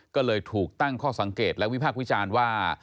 ก็เลยถูกตั้งข้อสังเกตและวิพากษ์วิจารณ์ว่า